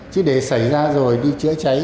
chứ để xảy ra rồi đi chữa cháy